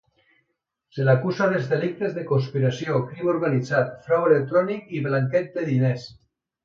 Se l'acusava dels delictes de conspiració, crim organitzat, frau electrònic i blanqueig de diners.